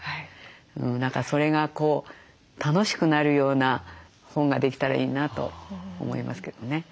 何かそれが楽しくなるような本ができたらいいなと思いますけどね。